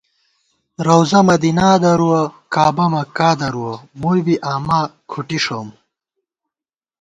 رَوضہ مدینا درُوَہ کعبہ مکا درُوَہ ، مُوبی آما کُھٹی ݭَوُم